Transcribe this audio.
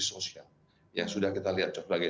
sosial yang sudah kita lihat sebagai